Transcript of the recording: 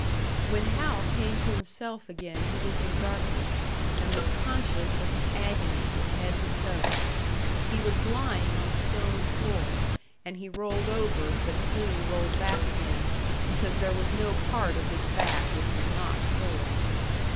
When Hal came to himself again he was in darkness, and was conscious of agony from head to toe. He was lying on a stone floor, and he rolled over, but soon rolled back again, because there was no part of his back which was not sore.